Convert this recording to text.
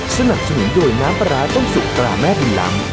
สนับสนุนโดยน้ำปลาร้าต้มสุกตราแม่บินลำ